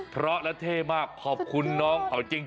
เพราะและเท่มากขอบคุณน้องเขาจริง